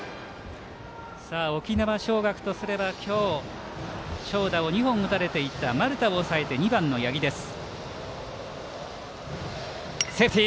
沖縄尚学とすれば今日長打を２本打たれていた丸田を抑えて２番の八木です。